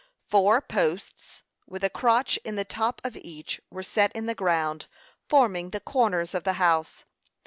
Four posts, with a crotch in the top of each, were set in the ground, forming the corners of the house.